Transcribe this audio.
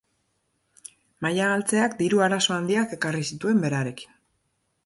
Maila galtzeak diru arazo handiak ekarri zituen berarekin.